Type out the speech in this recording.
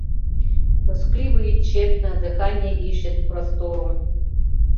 Тоскливо и тщетно дыхание ищет простору